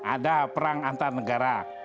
ada perang antar negara